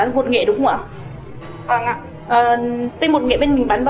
tinh bột nghệ bên mình bán bao tiền cân này ạ